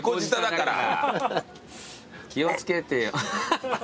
気を付けて。